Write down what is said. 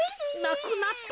なくなって。